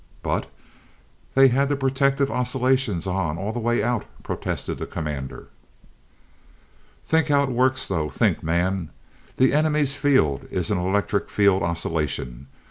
"But but they had the protective oscillations on all the way out!" protested the Commander. "Think how it works though. Think, man. The enemy's field is an electric field oscillation.